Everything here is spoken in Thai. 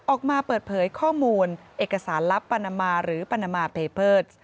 ออกมาเปิดเผยข้อมูลเอกสารลับปนมาหรือปปเพร